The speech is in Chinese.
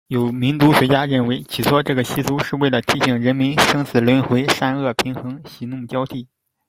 有民族学家认为，起初这个习俗是为了提醒人们生死轮回，善恶平衡，喜怒交替。